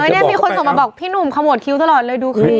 มีคนส่งมาบอกพี่หนุ่มขโมดคิ้วตลอดเลยดูเครียด